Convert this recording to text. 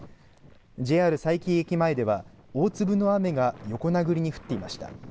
ＪＲ佐伯駅前では大粒の雨が横殴りに降っていました。